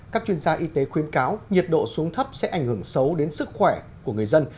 các chuyên gia y tế khuyến cáo nhiệt độ xuống thấp sẽ ảnh hưởng xấu đến sức khỏe của người dân